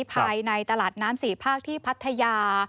ภายในตลาดน้ำ๔ภาคที่พัทยา